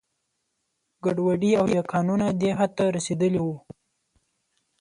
ګډوډي او بې قانونه دې حد ته رسېدلي وو.